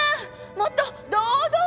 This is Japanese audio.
もっと堂々と。